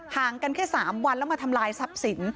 ห่างกันแค่๓วันแล้วมาทำลายทรัพย์สิน